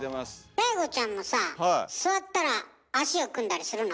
ＤＡＩＧＯちゃんもさ座ったら足を組んだりするの？